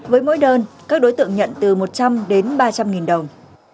với mỗi đơn các đối tượng nhận từ một trăm linh đến ba trăm linh nghìn đồng